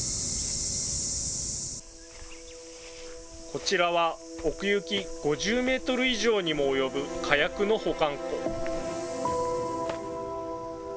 こちらは、奥行き５０メートル以上にも及ぶ火薬の保管庫。